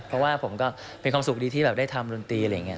เพราะว่าผมก็เป็นความสุขดีที่แบบได้ทำดนตรีอะไรอย่างนี้